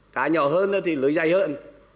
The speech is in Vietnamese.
cái nhỏ hơn thì lưới dày hơn